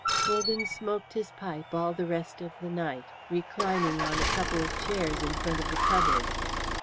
Wogan smoked his pipe all the rest of the night, reclining on a couple of chairs in front of the cupboard.